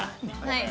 はい。